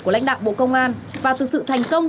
của lãnh đạo bộ công an và thực sự thành công